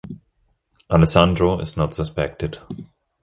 Alessandro is not suspected.